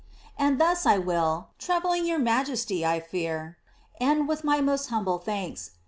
^ And tlius 1 will (trou bling your majesty I fear) end with my most humble thanks.